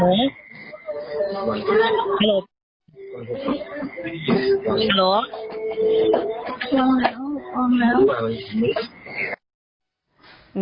โอ้เกลียดกลัวอำแรน